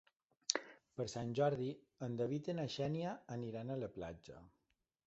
Per Sant Jordi en David i na Xènia aniran a la platja.